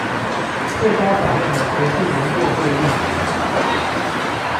最高法院的學術研究會立場